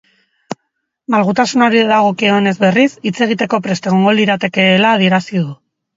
Malgutasunari dagokionez, berriz, hitz egiteko prest egongo liratekeela adierazi du.